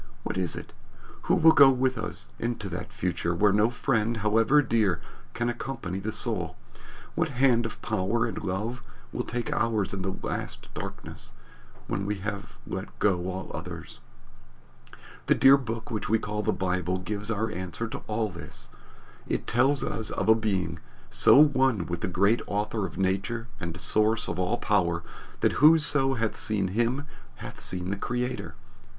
What is it? Who will go with us into that future where no friend, however dear, can accompany the soul? What hand of power and love will take ours in the last darkness, when we have let go all others? The dear old book which we call the Bible gives our answer to all this. It tells us of a Being so one with the great Author of nature and Source of all power that whoso hath seen him hath seen the Creator.